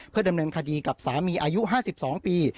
ดำเนินคดีกับสามีอายุ๕๒ปี